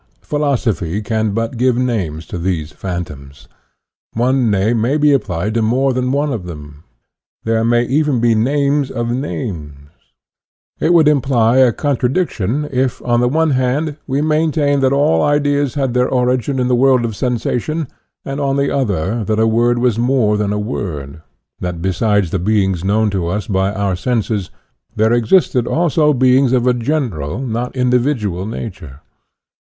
Philosophy can but give names to ttiese phantoms. One name may be applied to more than one of them. There may even be names of names. It would imply a contradiction if, on the one hand, we maintained that all ideas had their origin in the world of sensation, and, on the other, that a word was more than a word; that besides the beings known to us by our senses, beings which are one and all individuals, there existed also beings of a general, not individual, nature.